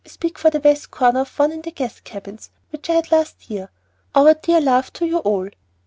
I speak for the west corner one in the guest cabin, which I had last year. Our dear love to you all.